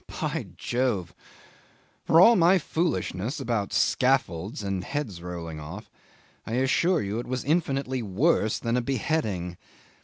'By Jove! For all my foolishness about scaffolds and heads rolling off I assure you it was infinitely worse than a beheading.